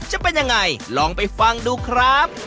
จะเป็นยังไงลองไปฟังดูครับ